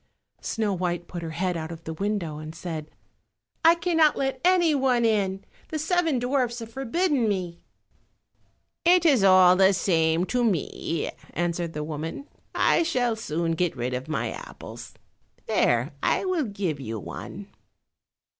Snow white put her head out of the window and said, "I cannot let any one in; the seven dwarfs have forbidden me." "It is all the same to me," answered the woman, "I shall soon get rid of my apples. There, I will give you one."